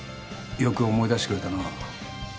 よく思い出してくれたなぁ。